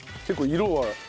結構色は。